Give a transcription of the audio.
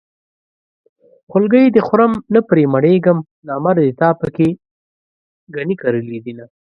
خولګۍ دې خورم نه پرې مړېږم نامردې تا پکې ګني کرلي دينه